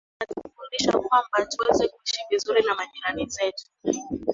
na pia inatufundisha kwamba tuweze kuishi vizuri na majirani zetu